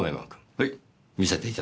はい。